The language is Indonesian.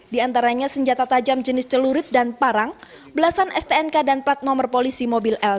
diantaranya senjata tajam jenis celurit dan parang belasan stnk dan plat nomor polisi mobil l tiga ratus